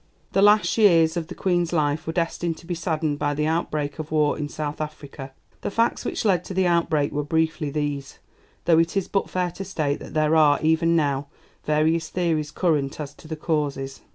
The last years of the Queen's life were destined to be saddened by the outbreak of war in South Africa. The facts which led to the outbreak were briefly these, though it is but fair to state that there are, even now, various theories current as to the causes.